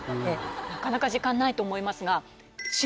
なかなか時間ないと思いますが。